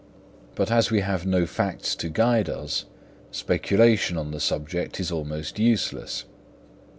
But as we have no facts to guide us, speculation on the subject is almost useless.